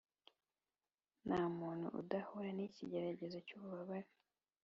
nta muntu udahura n’ikigeragezo cy’ububabare,